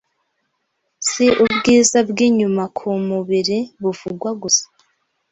Si ubwiza bw’inyuma ku mubiri buvugwa gusa